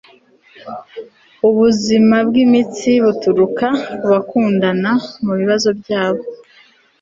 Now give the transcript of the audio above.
ubuzima bwimitsi buturuka kubakundana mubibazo byabo